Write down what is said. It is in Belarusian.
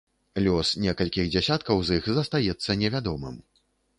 Лёс некалькіх дзясяткаў з іх застаецца невядомым.